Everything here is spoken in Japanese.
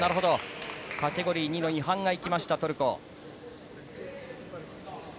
カテゴリー２の違反が行きました、トルコ。